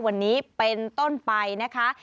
วันนี้เป็นต้นไปนะคะ